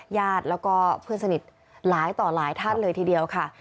ญาติแล้วก็เพื่อนสนิทหลายต่อหลายท่านเลยทีเดียวค่ะ